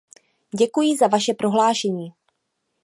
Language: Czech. Děkuji za vaše prohlášení.